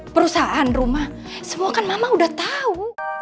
perusahaan rumah semua kan mama udah tahu